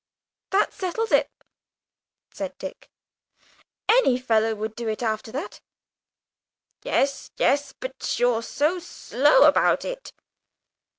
"That settles it," said Dick, "any fellow would do it after that." "Yes, yes, but you're so slow about it!"